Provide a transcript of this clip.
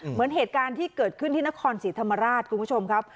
เหมือนเหตุการณ์ที่เกิดขึ้นที่นครศรีธรรมราชคุณผู้ชมครับ